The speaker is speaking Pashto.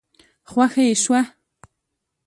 خوښه يې شوه.